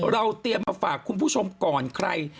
เราเตรียมมาฝากคุณผู้ชมก่อนใคร